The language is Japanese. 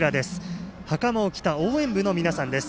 はかまを着た応援部の皆さんです。